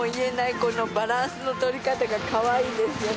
このバランスの取り方がカワイイですよね